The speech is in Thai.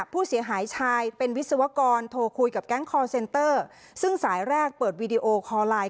ผู้เสียหายชายเป็นวิศวกรโทรคุยกับแก๊งคอร์เซนเตอร์ซึ่งสายแรกเปิดวีดีโอคอลไลน์